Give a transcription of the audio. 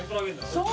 そう。